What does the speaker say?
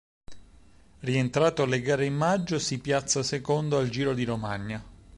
Rientrato alle gare in maggio, si piazza secondo al Giro di Romagna.